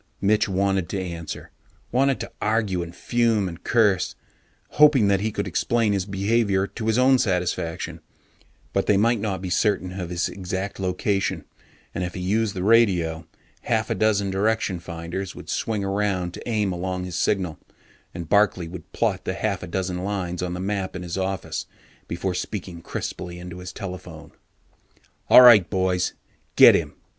Mitch wanted to answer, wanted to argue and fume and curse, hoping that he could explain his behaviour to his own satisfaction. But they might not be certain of his exact location, and if he used the radio, half a dozen direction finders would swing around to aim along his signal, and Barkley would plot the half a dozen lines on the map in his office before speaking crisply into his telephone: _all right, boys get him!